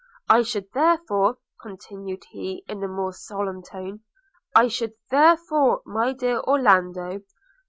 I should, therefore,' continued he, in a more solemn tone – 'I should, therefore, my dear Orlando!